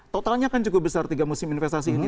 totalnya kan cukup besar tiga musim investasi ini